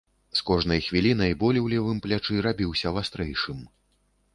З кожнай хвілінай боль у левым плячы рабіўся вастрэйшым.